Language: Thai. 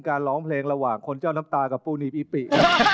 ร้องเพลงระหว่างคนเจ้าน้ำตากับปูหนีบอีปิ